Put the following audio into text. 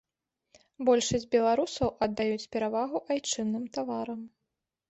Большасць беларусаў аддаюць перавагу айчынным таварам.